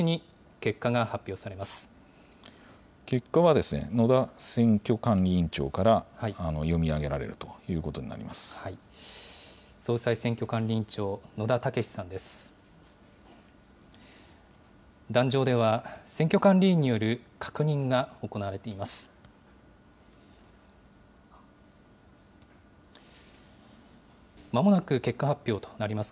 壇上では、選挙管理委員による確認が行われています。